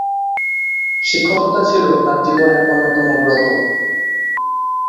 শিক্ষকতা ছিল তাঁর জীবনের অন্যতম ব্রত।